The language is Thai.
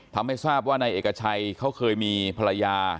ทำให้ทราบว่านายเอกชัยเขาเคยมีภรรยา